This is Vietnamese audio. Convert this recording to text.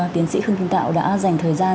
tiến sĩ khương kim tạo đã dành thời gian